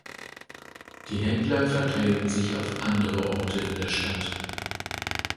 Die Händler verteilten sich auf andere Orte in der Stadt.